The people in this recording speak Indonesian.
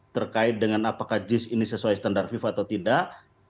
terkait dengan apakah jis ini sesuai standar fifa atau tidak